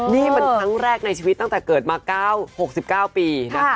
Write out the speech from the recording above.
นี่มันครั้งแรกในชีวิตตั้งแต่เกิดมา๙๖๙ปีนะคะ